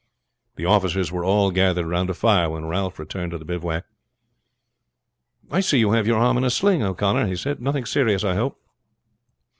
The officers were all gathered round a fire when Ralph returned to the bivouac. "I see you have your arm in a sling, O'Connor," he said. "Nothing serious, I hope?"